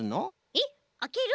えっあける？